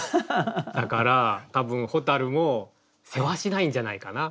だから多分蛍もせわしないんじゃないかな？